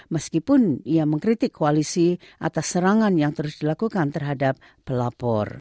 meskipun ia mengkritik koalisi atas serangan yang terus dilakukan terhadap pelapor